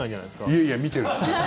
いやいや、見てる。